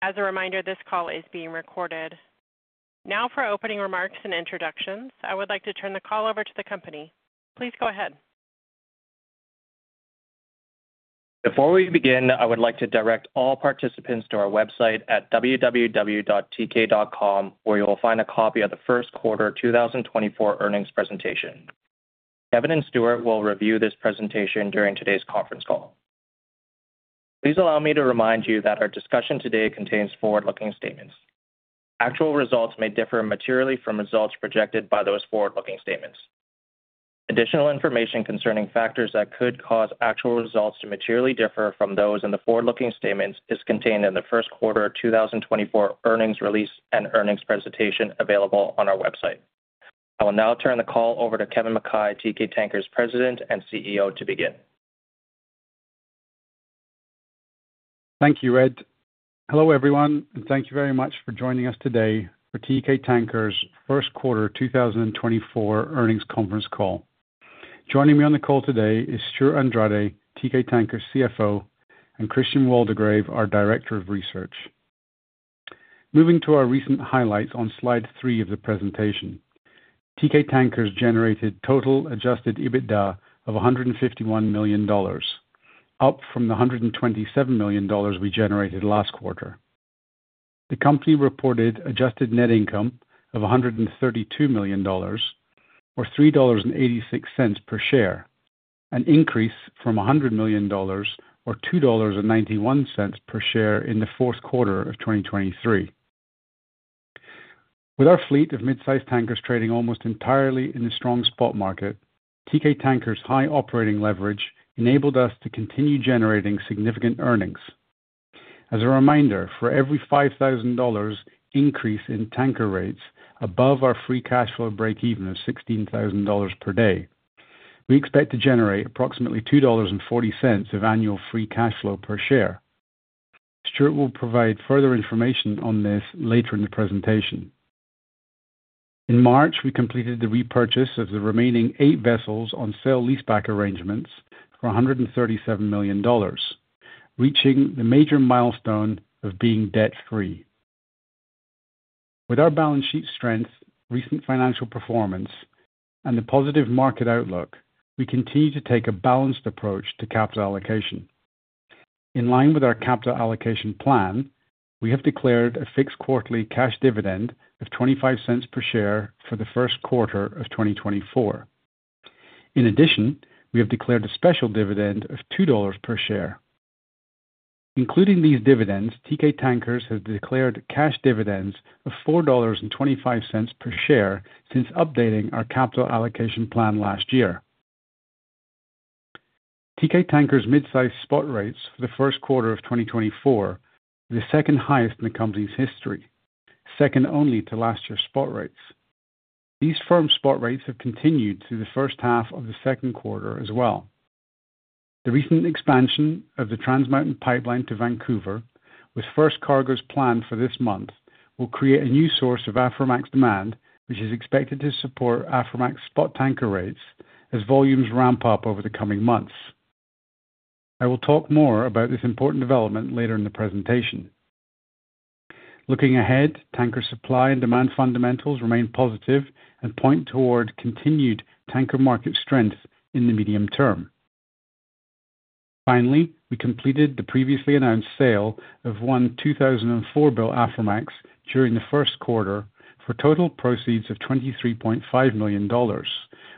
As a reminder, this call is being recorded. Now for opening remarks and introductions, I would like to turn the call over to the company. Please go ahead. Before we begin, I would like to direct all participants to our website at www.teekay.com where you'll find a copy of the first quarter 2024 earnings presentation. Kevin and Stewart will review this presentation during today's conference call. Please allow me to remind you that our discussion today contains forward-looking statements. Actual results may differ materially from results projected by those forward-looking statements. Additional information concerning factors that could cause actual results to materially differ from those in the forward-looking statements is contained in the first quarter 2024 earnings release and earnings presentation available on our website. I will now turn the call over to Kevin Mackay, Teekay Tankers President and CEO, to begin. Thank you, Ed. Hello everyone, and thank you very much for joining us today for Teekay Tankers' first quarter 2024 earnings conference call. Joining me on the call today is Stewart Andrade, Teekay Tankers' CFO, and Christian Waldegrave, our Director of Research. Moving to our recent highlights on Slide three of the presentation, Teekay Tankers generated total adjusted EBITDA of $151 million, up from the $127 million we generated last quarter. The company reported adjusted net income of $132 million, or $3.86 per share, an increase from $100 million or $2.91 per share in the fourth quarter of 2023. With our fleet of mid-sized tankers trading almost entirely in the strong spot market, Teekay Tankers' high operating leverage enabled us to continue generating significant earnings. As a reminder, for every $5,000 increase in tanker rates above our free cash flow break-even of $16,000 per day, we expect to generate approximately $2.40 of annual free cash flow per share. Stewart will provide further information on this later in the presentation. In March, we completed the repurchase of the remaining eight vessels on sale-leaseback arrangements for $137 million, reaching the major milestone of being debt-free. With our balance sheet strength, recent financial performance, and the positive market outlook, we continue to take a balanced approach to capital allocation. In line with our capital allocation plan, we have declared a fixed quarterly cash dividend of $0.25 per share for the first quarter of 2024. In addition, we have declared a special dividend of $2 per share. Including these dividends, Teekay Tankers has declared cash dividends of $4.25 per share since updating our capital allocation plan last year. Teekay Tankers' mid-sized spot rates for the first quarter of 2024 are the second highest in the company's history, second only to last year's spot rates. These firm spot rates have continued through the first half of the second quarter as well. The recent expansion of the Trans Mountain Pipeline to Vancouver, with first cargoes planned for this month, will create a new source of Aframax demand which is expected to support Aframax spot tanker rates as volumes ramp up over the coming months. I will talk more about this important development later in the presentation. Looking ahead, tanker supply and demand fundamentals remain positive and point toward continued tanker market strength in the medium term. Finally, we completed the previously announced sale of one 2004-built Aframax during the first quarter for total proceeds of $23.5 million,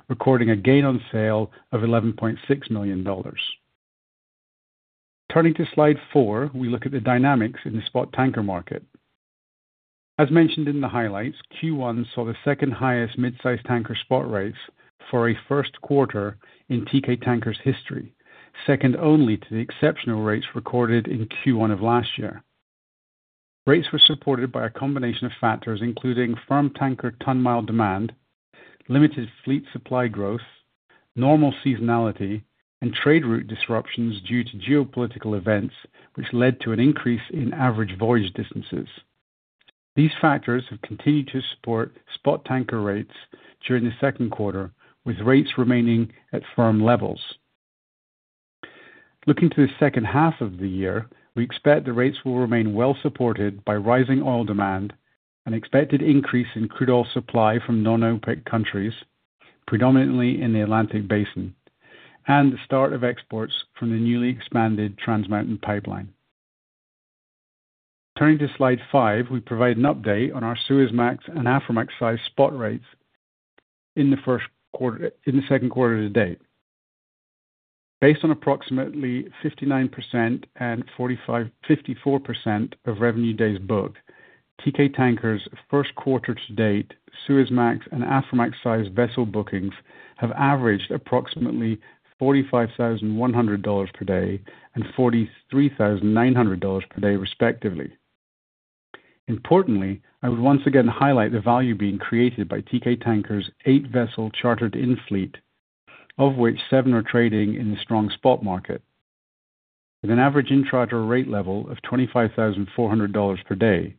recording a gain on sale of $11.6 million. Turning to Slide four, we look at the dynamics in the spot tanker market. As mentioned in the highlights, Q1 saw the second highest mid-sized tanker spot rates for a first quarter in Teekay Tankers' history, second only to the exceptional rates recorded in Q1 of last year. Rates were supported by a combination of factors including firm tanker tonne-mile demand, limited fleet supply growth, normal seasonality, and trade route disruptions due to geopolitical events which led to an increase in average voyage distances. These factors have continued to support spot tanker rates during the second quarter, with rates remaining at firm levels. Looking to the second half of the year, we expect the rates will remain well supported by rising oil demand, an expected increase in crude oil supply from non-OPEC countries, predominantly in the Atlantic Basin, and the start of exports from the newly expanded Trans Mountain Pipeline. Turning to Slide five, we provide an update on our Suezmax and Aframax-sized spot rates in the second quarter to date. Based on approximately 59% and 54% of revenue days booked, Teekay Tankers' first quarter to date Suezmax and Aframax-sized vessel bookings have averaged approximately $45,100 per day and $43,900 per day, respectively. Importantly, I would once again highlight the value being created by Teekay Tankers' eight-vessel chartered-in fleet, of which seven are trading in the strong spot market. With an average in-charter rate level of $25,400 per day,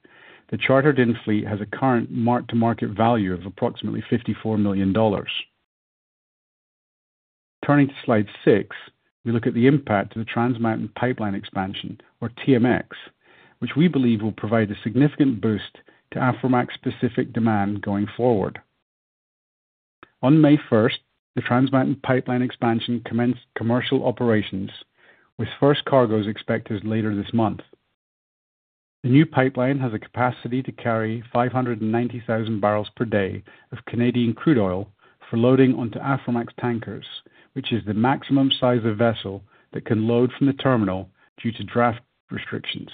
the chartered-in fleet has a current mark-to-market value of approximately $54 million. Turning to Slide six, we look at the impact of the Trans Mountain Pipeline expansion, or TMX, which we believe will provide a significant boost to Aframax-specific demand going forward. On May 1st, the Trans Mountain Pipeline expansion commenced commercial operations, with first cargoes expected later this month. The new pipeline has a capacity to carry 590,000 barrels per day of Canadian crude oil for loading onto Aframax tankers, which is the maximum size of vessel that can load from the terminal due to draft restrictions.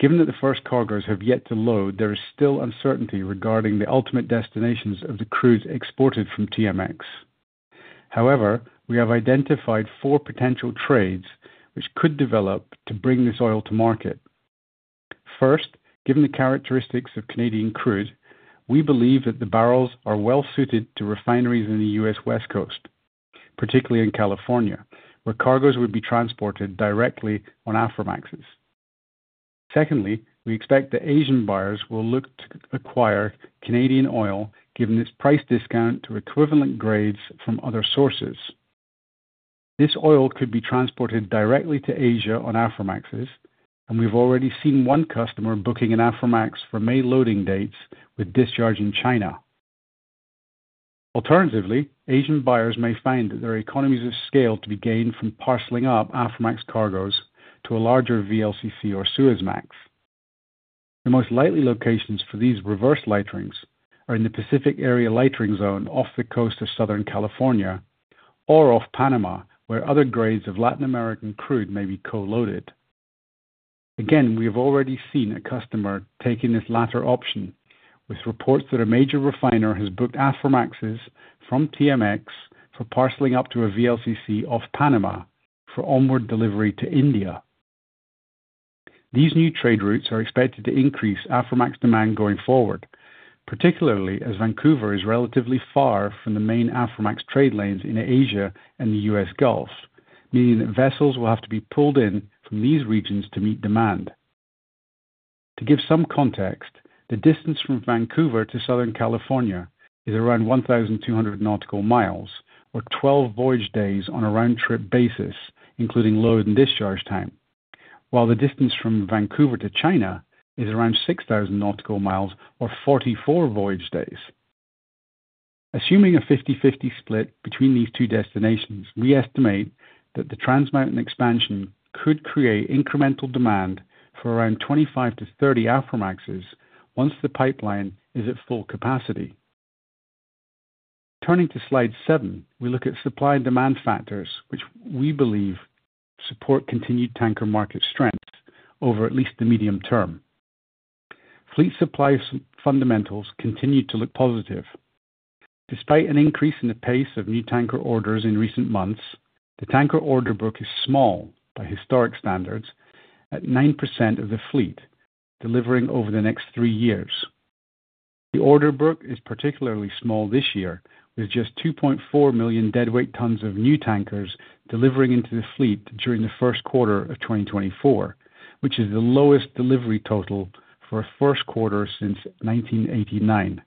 Given that the first cargoes have yet to load, there is still uncertainty regarding the ultimate destinations of the crudes exported from TMX. However, we have identified four potential trades which could develop to bring this oil to market. First, given the characteristics of Canadian crude, we believe that the barrels are well suited to refineries in the U.S. West Coast, particularly in California, where cargoes would be transported directly on Aframaxes. Secondly, we expect that Asian buyers will look to acquire Canadian oil given its price discount to equivalent grades from other sources. This oil could be transported directly to Asia on Aframaxes, and we've already seen one customer booking an Aframax for May loading dates with discharge in China. Alternatively, Asian buyers may find that there are economies of scale to be gained from parceling up Aframax cargoes to a larger VLCC or Suezmax. The most likely locations for these reverse lighterings are in the Pacific Area Lightering Zone off the coast of Southern California, or off Panama where other grades of Latin American crude may be co-loaded. Again, we have already seen a customer taking this latter option, with reports that a major refiner has booked Aframaxes from TMX for parceling up to a VLCC off Panama for onward delivery to India. These new trade routes are expected to increase Aframax demand going forward, particularly as Vancouver is relatively far from the main Aframax trade lanes in Asia and the U.S. Gulf, meaning that vessels will have to be pulled in from these regions to meet demand. To give some context, the distance from Vancouver to Southern California is around 1,200 nautical miles, or 12 voyage days on a round-trip basis, including load and discharge time, while the distance from Vancouver to China is around 6,000 nautical miles, or 44 voyage days. Assuming a 50/50 split between these two destinations, we estimate that the Trans Mountain expansion could create incremental demand for around 25-30 Aframaxes once the pipeline is at full capacity. Turning to Slide seven, we look at supply and demand factors, which we believe support continued tanker market strength over at least the medium term. Fleet supply fundamentals continue to look positive. Despite an increase in the pace of new tanker orders in recent months, the tanker order book is small by historic standards, at 9% of the fleet delivering over the next three years. The order book is particularly small this year, with just 2.4 million deadweight tonnes of new tankers delivering into the fleet during the first quarter of 2024, which is the lowest delivery total for a first quarter since 1989.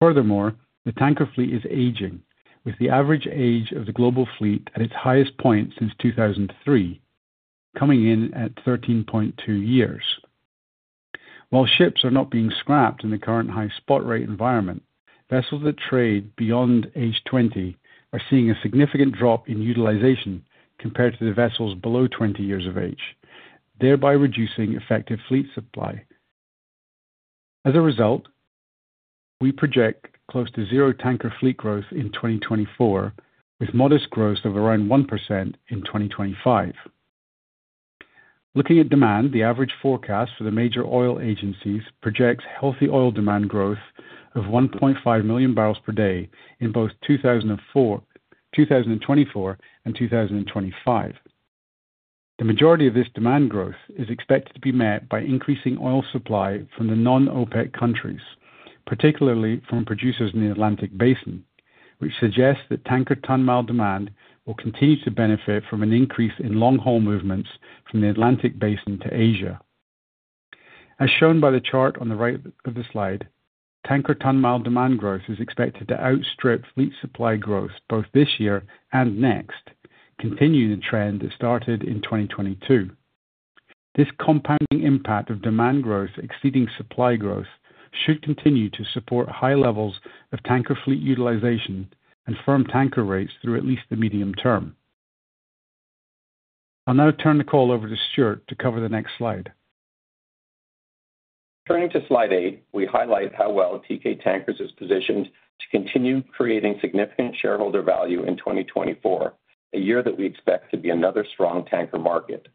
Furthermore, the tanker fleet is aging, with the average age of the global fleet at its highest point since 2003, coming in at 13.2 years. While ships are not being scrapped in the current high spot rate environment, vessels that trade beyond age 20 are seeing a significant drop in utilization compared to the vessels below 20 years of age, thereby reducing effective fleet supply. As a result, we project close to zero tanker fleet growth in 2024, with modest growth of around 1% in 2025. Looking at demand, the average forecast for the major oil agencies projects healthy oil demand growth of 1.5 million barrels per day in both 2024 and 2025. The majority of this demand growth is expected to be met by increasing oil supply from the non-OPEC countries, particularly from producers in the Atlantic Basin, which suggests that tanker tonne-mile demand will continue to benefit from an increase in long-haul movements from the Atlantic Basin to Asia. As shown by the chart on the right of the slide, tanker tonne-mile demand growth is expected to outstrip fleet supply growth both this year and next, continuing the trend that started in 2022. This compounding impact of demand growth exceeding supply growth should continue to support high levels of tanker fleet utilization and firm tanker rates through at least the medium term. I'll now turn the call over to Stewart to cover the next slide. Turning to Slide eight, we highlight how well Teekay Tankers is positioned to continue creating significant shareholder value in 2024, a year that we expect to be another strong tanker market.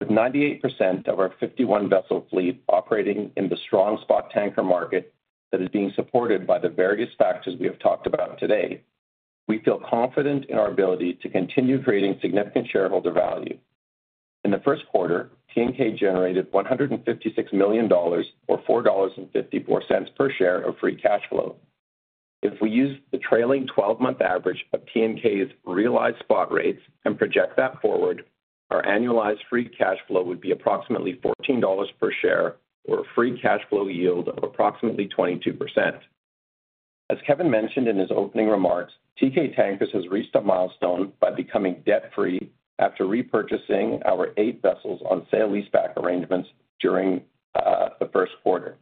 With 98% of our 51-vessel fleet operating in the strong spot tanker market that is being supported by the various factors we have talked about today, we feel confident in our ability to continue creating significant shareholder value. In the first quarter, TNK generated $156 million, or $4.54 per share of free cash flow. If we use the trailing 12-month average of TNK's realized spot rates and project that forward, our annualized free cash flow would be approximately $14 per share, or a free cash flow yield of approximately 22%. As Kevin mentioned in his opening remarks, Teekay Tankers has reached a milestone by becoming debt-free after repurchasing our eight vessels on sale-leaseback arrangements during the first quarter.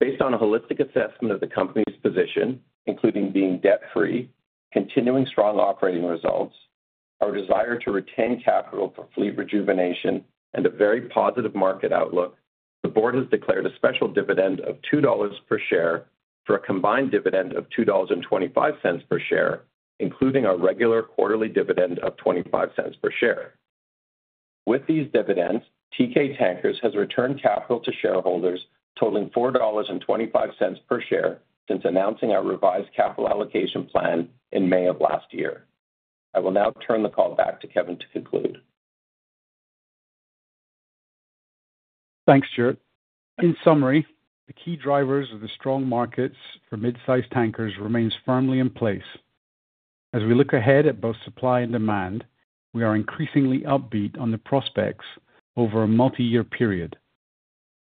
Based on a holistic assessment of the company's position, including being debt-free, continuing strong operating results, our desire to retain capital for fleet rejuvenation, and a very positive market outlook, the board has declared a special dividend of $2 per share for a combined dividend of $2.25 per share, including our regular quarterly dividend of $0.25 per share. With these dividends, Teekay Tankers has returned capital to shareholders, totaling $4.25 per share since announcing our revised capital allocation plan in May of last year. I will now turn the call back to Kevin to conclude. Thanks, Stewart. In summary, the key drivers of the strong markets for mid-sized tankers remain firmly in place. As we look ahead at both supply and demand, we are increasingly upbeat on the prospects over a multi-year period.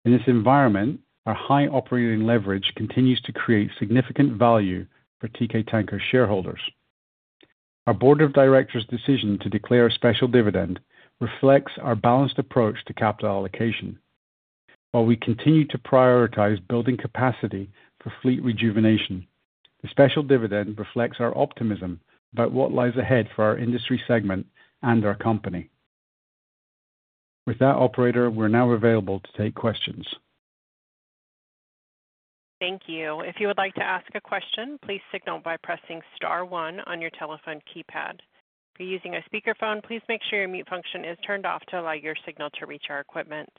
In this environment, our high operating leverage continues to create significant value for Teekay Tankers shareholders. Our board of directors' decision to declare a special dividend reflects our balanced approach to capital allocation. While we continue to prioritize building capacity for fleet rejuvenation, the special dividend reflects our optimism about what lies ahead for our industry segment and our company. With that, operator, we're now available to take questions. Thank you. If you would like to ask a question, please signal by pressing star one on your telephone keypad. If you're using a speakerphone, please make sure your mute function is turned off to allow your signal to reach our equipment.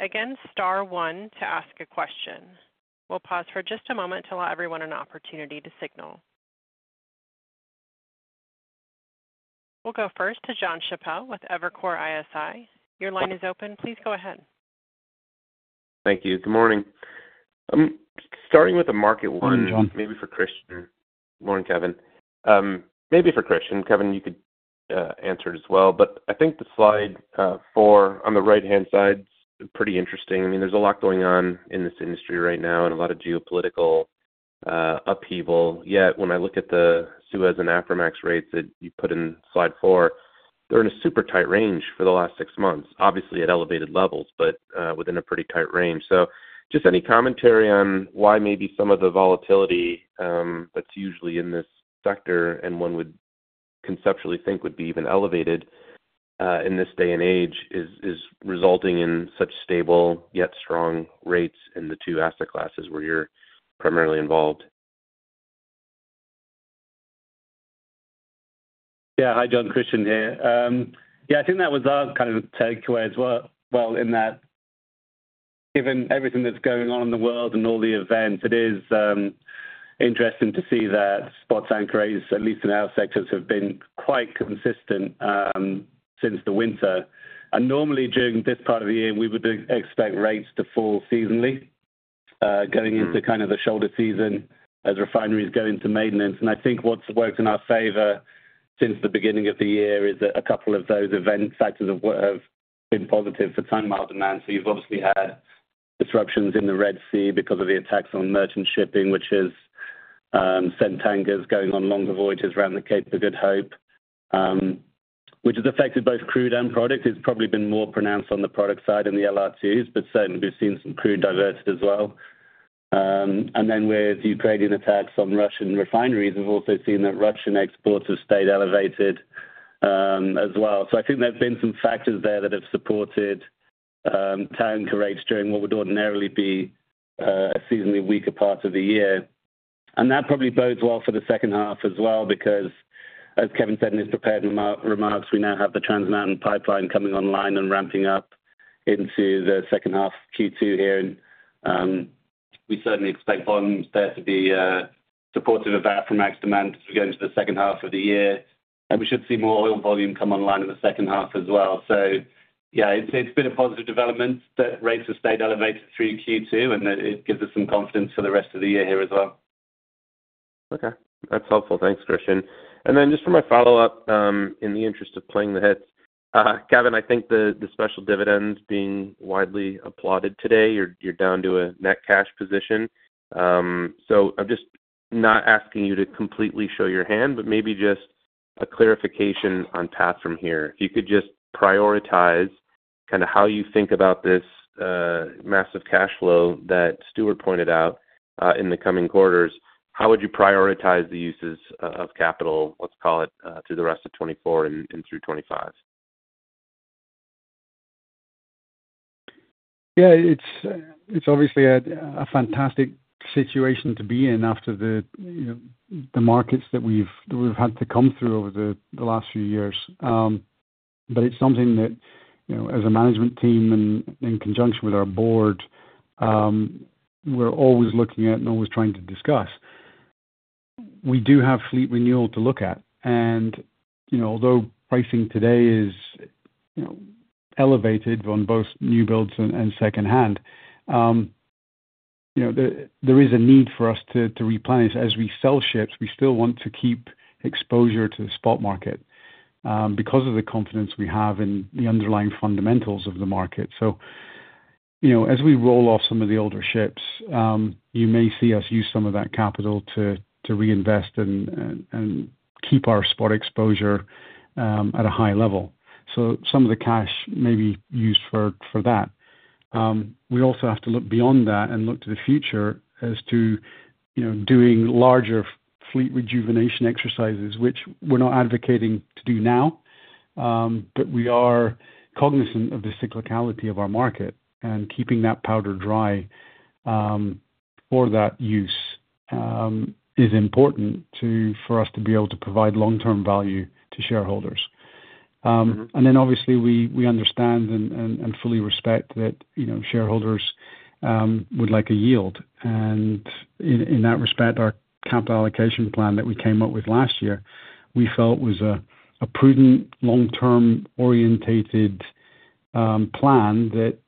Again, star one to ask a question. We'll pause for just a moment to allow everyone an opportunity to signal. We'll go first to Jonathan Chappell with Evercore ISI. Your line is open. Please go ahead. Thank you. Good morning. Starting with a market one. Morning, John. Maybe for Christian. Morning, Kevin. Maybe for Christian. Kevin, you could answer it as well. But I think the Slide four on the right-hand side is pretty interesting. I mean, there's a lot going on in this industry right now and a lot of geopolitical upheaval. Yet, when I look at the Suez and Aframax rates that you put in Slide four, they're in a super tight range for the last six months. Obviously, at elevated levels, but within a pretty tight range. So just any commentary on why maybe some of the volatility that's usually in this sector, and one would conceptually think would be even elevated in this day and age, is resulting in such stable yet strong rates in the two asset classes where you're primarily involved? Yeah. Hi, John. Christian here. Yeah, I think that was our kind of takeaway as well. Well, in that, given everything that's going on in the world and all the events, it is interesting to see that spot tanker rates, at least in our sectors, have been quite consistent since the winter. And normally, during this part of the year, we would expect rates to fall seasonally, going into kind of the shoulder season as refineries go into maintenance. And I think what's worked in our favor since the beginning of the year is that a couple of those event factors have been positive for tonne-mile demand. So you've obviously had disruptions in the Red Sea because of the attacks on merchant shipping, which has sent tankers going on longer voyages around the Cape of Good Hope, which has affected both crude and product. It's probably been more pronounced on the product side in the LR2s, but certainly we've seen some crude diverted as well. And then with Ukrainian attacks on Russian refineries, we've also seen that Russian exports have stayed elevated as well. So I think there have been some factors there that have supported tanker rates during what would ordinarily be a seasonally weaker part of the year. And that probably bodes well for the second half as well because, as Kevin said in his prepared remarks, we now have the Trans Mountain Pipeline coming online and ramping up into the second half of Q2 here. And we certainly expect volumes there to be supportive of Aframax demand as we go into the second half of the year. And we should see more oil volume come online in the second half as well. So yeah, it's been a positive development that rates have stayed elevated through Q2, and it gives us some confidence for the rest of the year here as well. Okay. That's helpful. Thanks, Christian. And then just for my follow-up, in the interest of playing the hits, Kevin, I think the special dividend being widely applauded today, you're down to a net cash position. So I'm just not asking you to completely show your hand, but maybe just a clarification on path from here. If you could just prioritise kind of how you think about this massive cash flow that Stewart pointed out in the coming quarters, how would you prioritise the uses of capital, let's call it, through the rest of 2024 and through 2025? Yeah. It's obviously a fantastic situation to be in after the markets that we've had to come through over the last few years. But it's something that, as a management team and in conjunction with our board, we're always looking at and always trying to discuss. We do have fleet renewal to look at. And although pricing today is elevated on both new builds and secondhand, there is a need for us to replenish. As we sell ships, we still want to keep exposure to the spot market because of the confidence we have in the underlying fundamentals of the market. So as we roll off some of the older ships, you may see us use some of that capital to reinvest and keep our spot exposure at a high level. So some of the cash may be used for that. We also have to look beyond that and look to the future as to doing larger fleet rejuvenation exercises, which we're not advocating to do now, but we are cognizant of the cyclicality of our market, and keeping that powder dry for that use is important for us to be able to provide long-term value to shareholders. And then obviously, we understand and fully respect that shareholders would like a yield. And in that respect, our capital allocation plan that we came up with last year, we felt was a prudent, long-term orientated plan that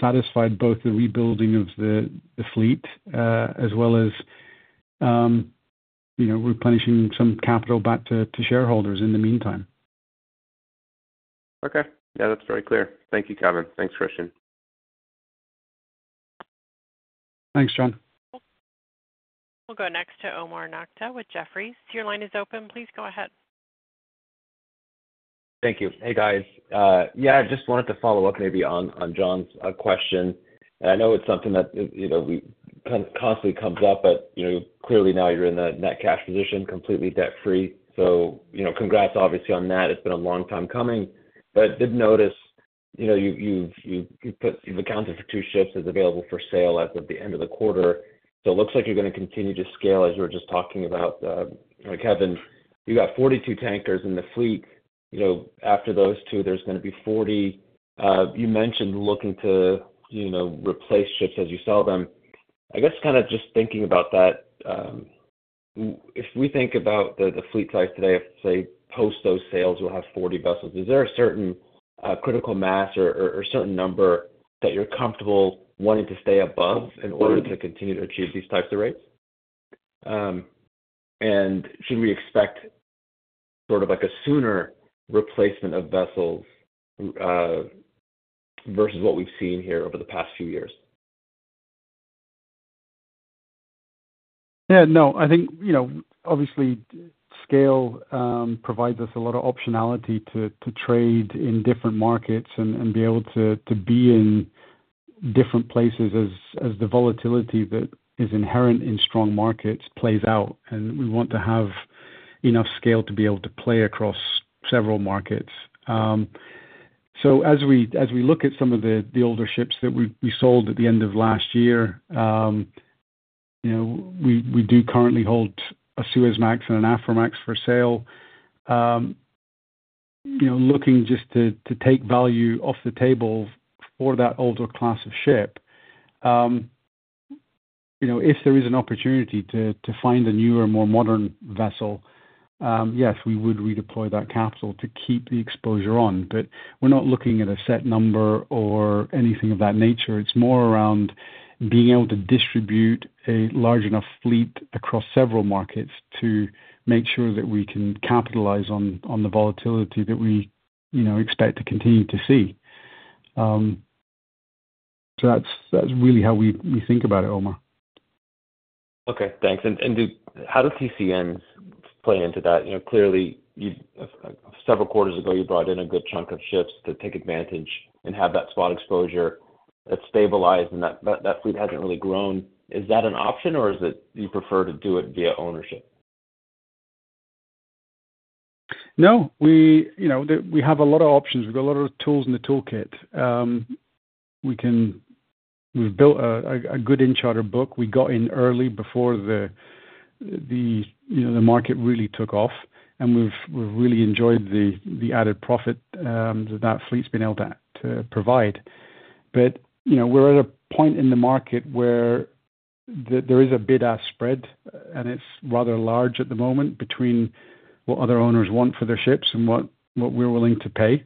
satisfied both the rebuilding of the fleet as well as replenishing some capital back to shareholders in the meantime. Okay. Yeah, that's very clear. Thank you, Kevin. Thanks, Christian. Thanks, John. We'll go next to Omar Nokta with Jefferies. Your line is open. Please go ahead. Thank you. Hey, guys. Yeah, I just wanted to follow up maybe on John's question. I know it's something that constantly comes up, but clearly now you're in the net cash position, completely debt-free. Congrats, obviously, on that. It's been a long time coming. I did notice you've accounted for two ships as available for sale as of the end of the quarter. It looks like you're going to continue to scale as you were just talking about. Kevin, you've got 42 tankers in the fleet. After those two, there's going to be 40. You mentioned looking to replace ships as you sell them. I guess kind of just thinking about that, if we think about the fleet size today, say, post those sales, we'll have 40 vessels. Is there a certain critical mass or certain number that you're comfortable wanting to stay above in order to continue to achieve these types of rates? And should we expect sort of a sooner replacement of vessels versus what we've seen here over the past few years? Yeah. No. I think, obviously, scale provides us a lot of optionality to trade in different markets and be able to be in different places as the volatility that is inherent in strong markets plays out. And we want to have enough scale to be able to play across several markets. So as we look at some of the older ships that we sold at the end of last year, we do currently hold a Suezmax and an Aframax for sale. Looking just to take value off the table for that older class of ship, if there is an opportunity to find a newer, more modern vessel, yes, we would redeploy that capital to keep the exposure on. But we're not looking at a set number or anything of that nature. It's more around being able to distribute a large enough fleet across several markets to make sure that we can capitalize on the volatility that we expect to continue to see. So that's really how we think about it, Omar. Okay. Thanks. How do TC-ins play into that? Clearly, several quarters ago, you brought in a good chunk of ships to take advantage and have that spot exposure. It's stabilized, and that fleet hasn't really grown. Is that an option, or do you prefer to do it via ownership? No. We have a lot of options. We've got a lot of tools in the toolkit. We've built a good in-charter book. We got in early before the market really took off, and we've really enjoyed the added profit that that fleet's been able to provide. But we're at a point in the market where there is a bid-ask spread, and it's rather large at the moment between what other owners want for their ships and what we're willing to pay.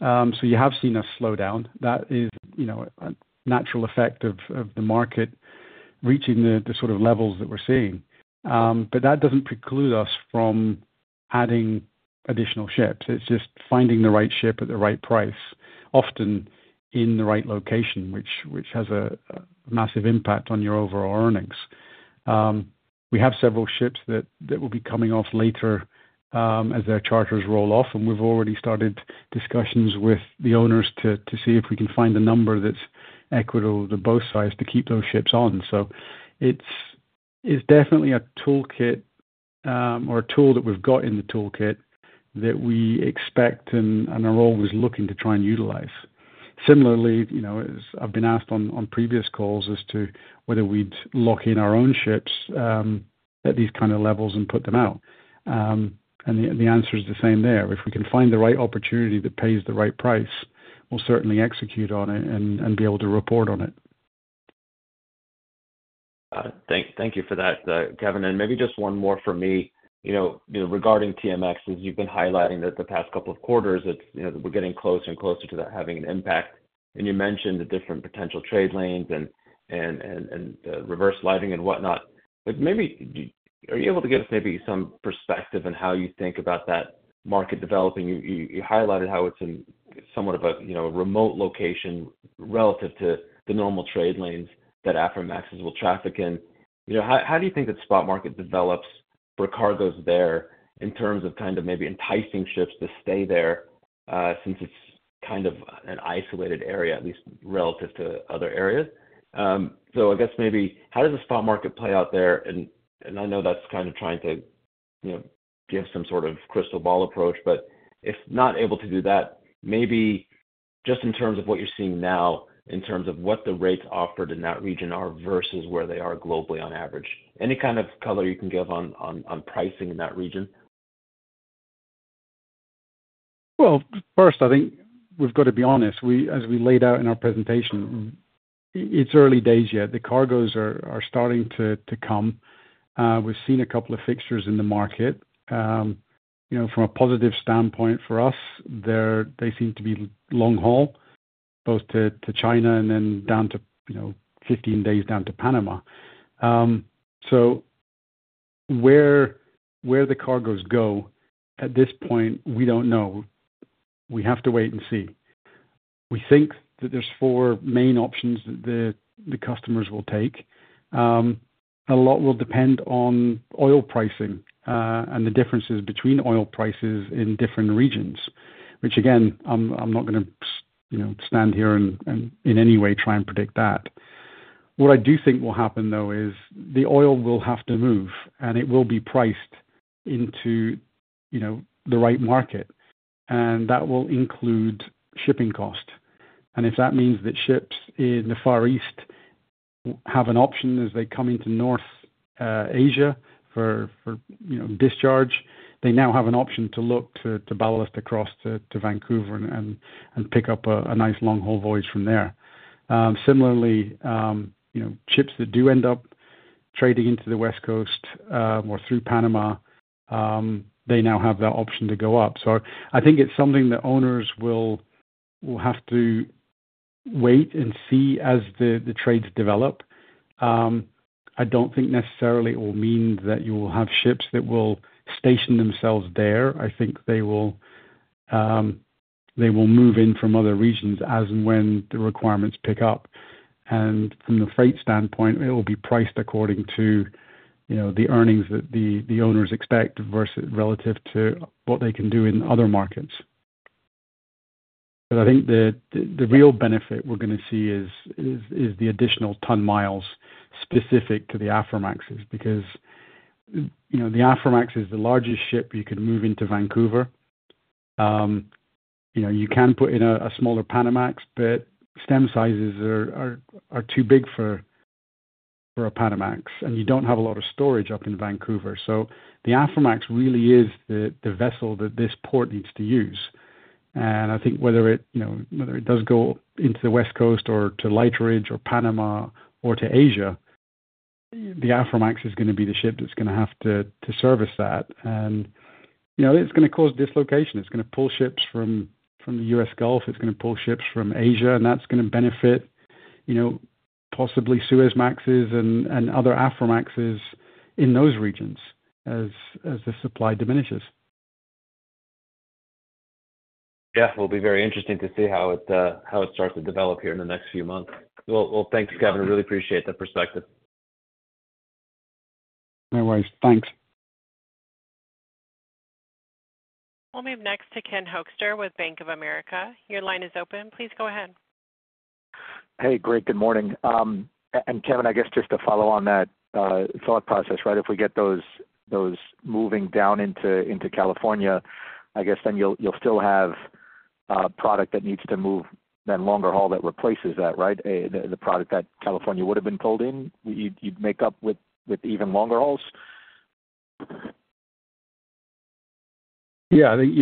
So you have seen a slowdown. That is a natural effect of the market reaching the sort of levels that we're seeing. But that doesn't preclude us from adding additional ships. It's just finding the right ship at the right price, often in the right location, which has a massive impact on your overall earnings. We have several ships that will be coming off later as their charters roll off, and we've already started discussions with the owners to see if we can find a number that's equitable to both sides to keep those ships on. So it's definitely a toolkit or a tool that we've got in the toolkit that we expect and are always looking to try and utilize. Similarly, I've been asked on previous calls as to whether we'd lock in our own ships at these kind of levels and put them out. The answer is the same there. If we can find the right opportunity that pays the right price, we'll certainly execute on it and be able to report on it. Thank you for that, Kevin. And maybe just one more for me. Regarding TMX, as you've been highlighting that the past couple of quarters, we're getting closer and closer to that having an impact. And you mentioned the different potential trade lanes and reverse lightering and whatnot. But maybe are you able to give us maybe some perspective on how you think about that market developing? You highlighted how it's in somewhat of a remote location relative to the normal trade lanes that Aframaxes will traffic in. How do you think that spot market develops for cargoes there in terms of kind of maybe enticing ships to stay there since it's kind of an isolated area, at least relative to other areas? So I guess maybe how does the spot market play out there? I know that's kind of trying to give some sort of crystal ball approach, but if not able to do that, maybe just in terms of what you're seeing now in terms of what the rates offered in that region are versus where they are globally on average, any kind of color you can give on pricing in that region? Well, first, I think we've got to be honest. As we laid out in our presentation, it's early days yet. The cargoes are starting to come. We've seen a couple of fixtures in the market. From a positive standpoint for us, they seem to be long haul, both to China and then 15 days down to Panama. So where the cargoes go at this point, we don't know. We have to wait and see. We think that there's four main options that the customers will take. A lot will depend on oil pricing and the differences between oil prices in different regions, which, again, I'm not going to stand here and in any way try and predict that. What I do think will happen, though, is the oil will have to move, and it will be priced into the right market. That will include shipping cost. And if that means that ships in the Far East have an option as they come into North Asia for discharge, they now have an option to look to ballast across to Vancouver and pick up a nice long-haul voyage from there. Similarly, ships that do end up trading into the West Coast or through Panama, they now have that option to go up. So I think it's something that owners will have to wait and see as the trades develop. I don't think necessarily it will mean that you will have ships that will station themselves there. I think they will move in from other regions as and when the requirements pick up. And from the freight standpoint, it will be priced according to the earnings that the owners expect relative to what they can do in other markets. But I think the real benefit we're going to see is the additional tonne miles specific to the Aframaxes because the Aframax is the largest ship you can move into Vancouver. You can put in a smaller Panamax, but stem sizes are too big for a Panamax, and you don't have a lot of storage up in Vancouver. So the Aframax really is the vessel that this port needs to use. And I think whether it does go into the West Coast or to lightering or Panama or to Asia, the Aframax is going to be the ship that's going to have to service that. And it's going to cause dislocation. It's going to pull ships from the U.S. Gulf. It's going to pull ships from Asia, and that's going to benefit possibly Suezmaxes and other Aframaxes in those regions as the supply diminishes. Yeah. It will be very interesting to see how it starts to develop here in the next few months. Well, thanks, Kevin. I really appreciate the perspective. No worries. Thanks. We'll move next to Ken Hoexter with Bank of America. Your line is open. Please go ahead. Hey, great. Good morning. Kevin, I guess just to follow on that thought process, right? If we get those moving down into California, I guess then you'll still have product that needs to move then longer haul that replaces that, right? The product that California would have been pulled in? You'd make up with even longer hauls? Yeah. I think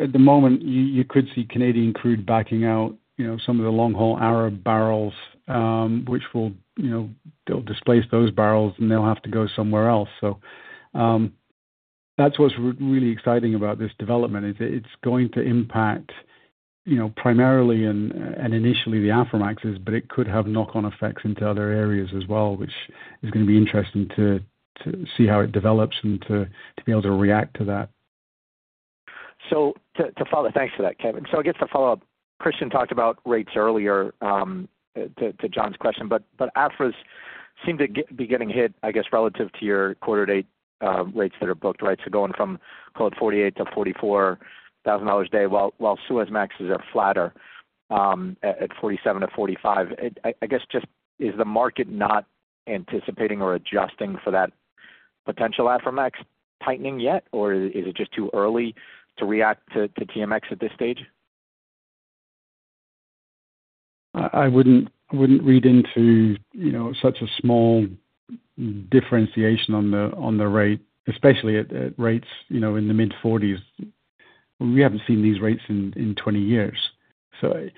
at the moment, you could see Canadian crude backing out some of the long-haul Arab barrels, which will displace those barrels, and they'll have to go somewhere else. So that's what's really exciting about this development, is it's going to impact primarily and initially the Aframaxes, but it could have knock-on effects into other areas as well, which is going to be interesting to see how it develops and to be able to react to that. So thanks for that, Kevin. So I guess to follow up, Christian talked about rates earlier to John's question, but Afras seem to be getting hit, I guess, relative to your Q2-Q4 rates that are booked, right? So going from, call it, $48,000-$44,000 a day while Suezmaxes are flatter at $47,000-$45,000. I guess, just is the market not anticipating or adjusting for that potential Aframax tightening yet, or is it just too early to react to TMX at this stage? I wouldn't read into such a small differentiation on the rate, especially at rates in the mid-$40,000s. We haven't seen these rates in 20 years. So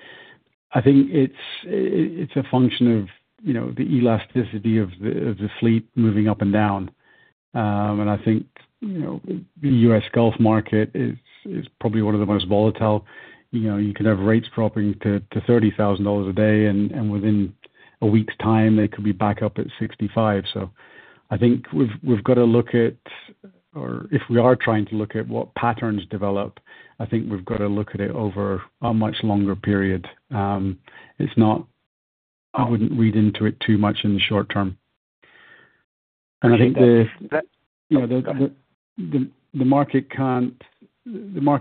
I think it's a function of the elasticity of the fleet moving up and down. And I think the U.S. Gulf market is probably one of the most volatile. You can have rates dropping to $30,000 a day, and within a week's time, they could be back up at $65,000. So I think we've got to look at or if we are trying to look at what patterns develop, I think we've got to look at it over a much longer period. I wouldn't read into it too much in the short term. And I think the market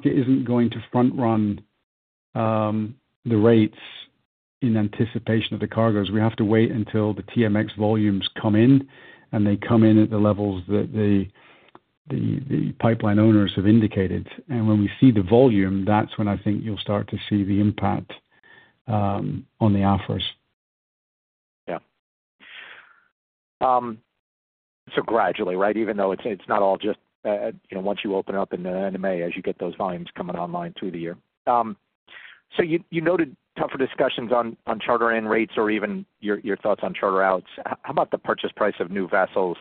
isn't going to front-run the rates in anticipation of the cargoes. We have to wait until the TMX volumes come in, and they come in at the levels that the pipeline owners have indicated. When we see the volume, that's when I think you'll start to see the impact on the Aframaxes. Yeah. So gradually, right, even though it's not all just once you open up in the end of May as you get those volumes coming online through the year. So you noted tougher discussions on charter-in rates or even your thoughts on charter-outs. How about the purchase price of new vessels?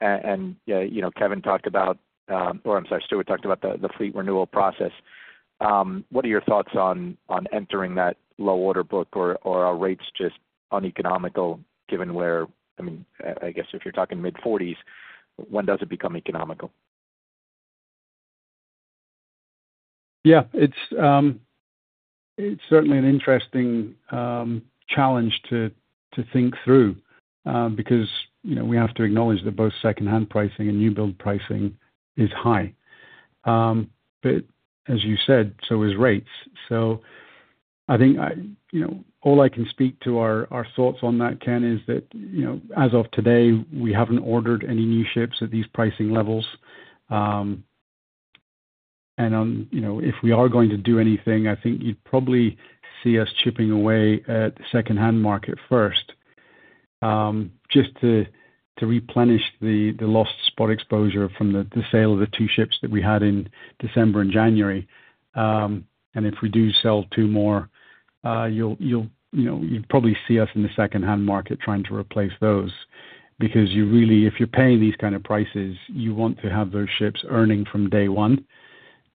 And Kevin talked about or I'm sorry, Stewart talked about the fleet renewal process. What are your thoughts on entering that low-order book, or are rates just uneconomical given where I mean, I guess if you're talking mid-40s, when does it become economical? Yeah. It's certainly an interesting challenge to think through because we have to acknowledge that both second-hand pricing and new build pricing is high. But as you said, so is rates. So I think all I can speak to our thoughts on that, Ken, is that as of today, we haven't ordered any new ships at these pricing levels. And if we are going to do anything, I think you'd probably see us chipping away at the second-hand market first just to replenish the lost spot exposure from the sale of the two ships that we had in December and January. If we do sell two more, you'll probably see us in the second-hand market trying to replace those because if you're paying these kind of prices, you want to have those ships earning from day one,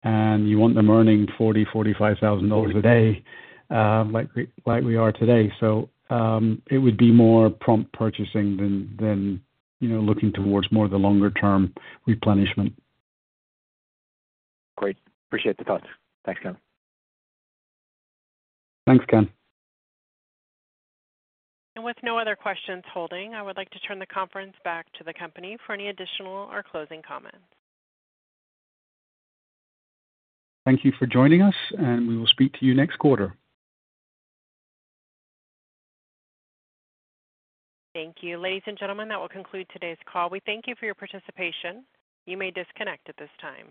and you want them earning $40,000-$45,000 a day like we are today. So it would be more prompt purchasing than looking towards more of the longer-term replenishment. Great. Appreciate the thoughts. Thanks, Ken. Thanks, Ken. With no other questions holding, I would like to turn the conference back to the company for any additional or closing comments. Thank you for joining us, and we will speak to you next quarter. Thank you. Ladies and gentlemen, that will conclude today's call. We thank you for your participation. You may disconnect at this time.